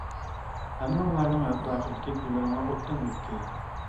ھەممىڭلارنىڭ ھەپتە ئاخىرىدىكى كۈنلىرىڭلار ئوبدان ئۆتكەي!